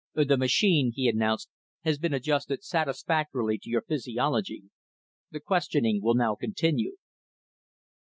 "The machine," he announced, "has been adjusted satisfactorily to your physiology. The questioning will now continue."